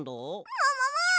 もももっ！